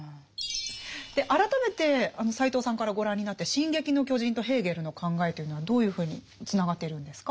改めて斎藤さんからご覧になって「進撃の巨人」とヘーゲルの考えというのはどういうふうにつながっているんですか？